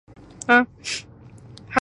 Jakob Park es el estadio del Basel.